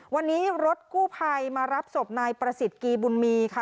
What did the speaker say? วันนี้รถกู้ภัยมารับศพนายประสิทธิ์กีบุญมีค่ะ